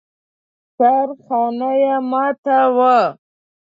سرخانه يې ماته وه.